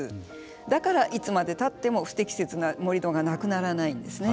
だから、いつまでたっても不適切な盛り土がなくならないんですね。